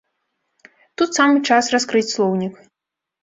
Тут самы час раскрыць слоўнік.